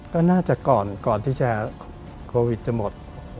ก็น่าจะก่อนที่จะโควิดจะหมด